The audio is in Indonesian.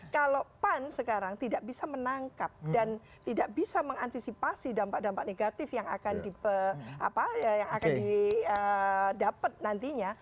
kalau pan sekarang tidak bisa menangkap dan tidak bisa mengantisipasi dampak dampak negatif yang akan didapat nantinya